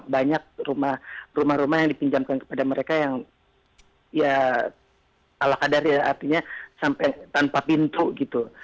banyak rumah rumah yang dipinjamkan kepada mereka yang ya ala kadar ya artinya sampai tanpa pintu gitu